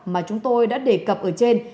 mà chúng tôi đã đề cập ở trên